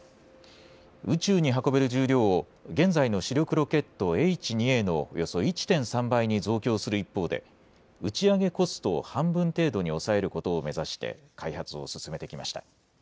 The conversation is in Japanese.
宇宙に運べる重量を、現在の主力ロケット、Ｈ２Ａのおよそ１．３倍に増強する一方で、打ち上げコストを半分程度に抑えることを目指して開発を進めてきました。